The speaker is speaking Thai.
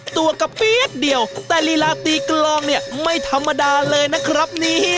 ตัวกับปี๊ดเดียวแต่ลีลาฯตีกลองไม่ธรรมดาเลยนะครับ